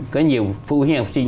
có nhiều phụ huynh học sinh